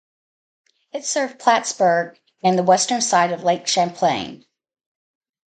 It served Plattsburgh and the western side of Lake Champlain.